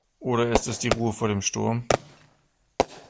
Oder ist es die Ruhe vor dem Sturm?